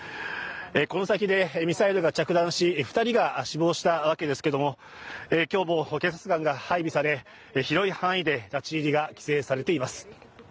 この先でミサイルが着弾し、２人が死亡したわけですけど今日も警察官が配備され、広い範囲で立入が規制されています。